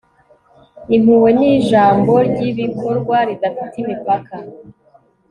impuhwe ni ijambo ry'ibikorwa ridafite imipaka